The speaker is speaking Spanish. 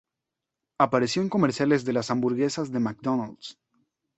Apareció en comerciales de las hamburguesas de McDonald's.